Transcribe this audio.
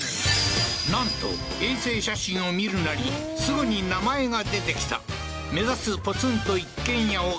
なんと衛星写真を見るなりすぐに名前が出てきた目指す